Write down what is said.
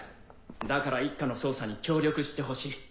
だから一課の捜査に協力してほしい。